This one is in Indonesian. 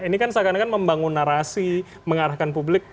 ini kan seakan akan membangun narasi mengarahkan publik